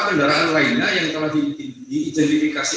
kendaraan lainnya yang telah diidentifikasi